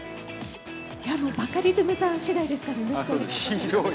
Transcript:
バカリズムさんしだいですかひどい。